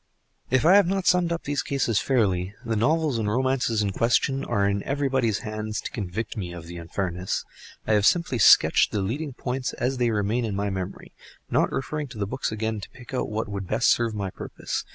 If I have not summed up these cases fairly, the novels and romances in question are in everybody's hands to convict me of the unfairness. I have simply sketched the leading points as they remain in my memory, not referring to the books again to pick out what would best serve my purpose.